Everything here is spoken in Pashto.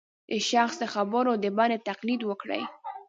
د شخص د خبرو د بڼې تقلید وکړي